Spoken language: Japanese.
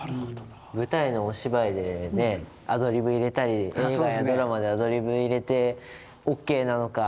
舞台のお芝居でアドリブ入れたり映画やドラマでアドリブを入れてＯＫなのか